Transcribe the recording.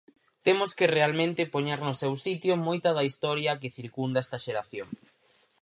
Temos que realmente poñer no seu sitio moita da historia que circunda esta xeración.